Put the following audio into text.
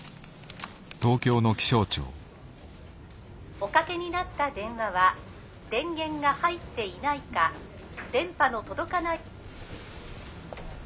「おかけになった電話は電源が入っていないか電波の届かない」。